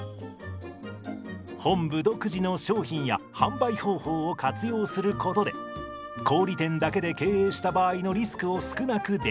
本部独自の商品や販売方法を活用することで小売店だけで経営した場合のリスクを少なくできる。